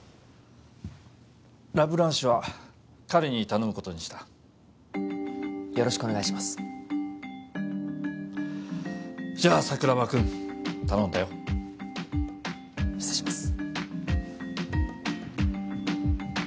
ラ・ブランシュは彼に頼むことにしたよろしくお願いしますじゃあ桜庭君頼んだよ失礼します